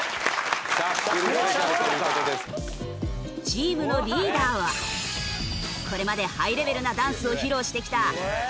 チームのリーダーはこれまでハイレベルなダンスを披露してきたＨｉＨｉＪｅｔｓ